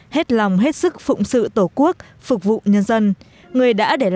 hết lòng hết sức phụng sự tổ quốc phục vụ nhân dân